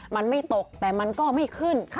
มันไม่ตกแต่มันก็ไม่ขึ้น